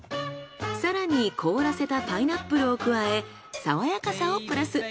更に凍らせたパイナップルを加えさわやかさをプラス。